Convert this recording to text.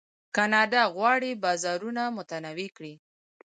کاناډا غواړي بازارونه متنوع کړي.